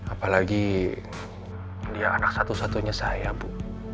apalagi dia anak satu satunya saya bu